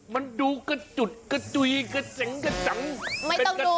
มันดูกระจุดกระจุยกระเจ๋งกระจัง